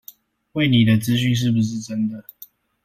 餵你的資訊是不是真的